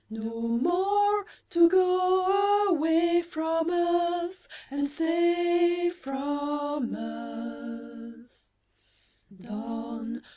No more to go away from us And stay from us?